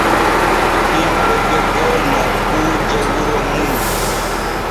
Himɓe jogoo nokkuuje wuro mum.